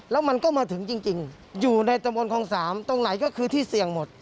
แล้วมันก็มาถึงจริงอยู่ในตะบนคลอง๓ตรงไหนก็คือที่เสี่ยงหมด